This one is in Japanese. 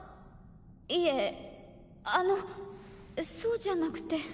いえあのそうじゃなくて。